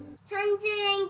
３０円。